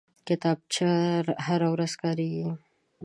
کتابچه هره ورځ کارېږي